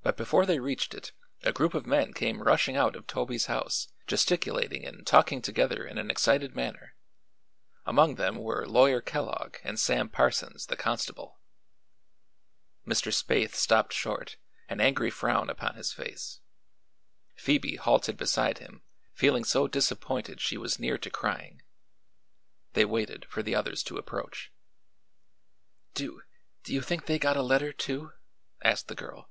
But before they reached it a group of men came rushing out of Toby's house, gesticulating and talking together in an excited manner. Among them were Lawyer Kellogg and Sam Parsons, the constable. Mr. Spaythe stopped short, an angry frown upon his face. Phoebe halted beside him, feeling so disappointed she was near to crying. They waited for the others to approach. "Do do you think they got a letter, too?" asked the girl.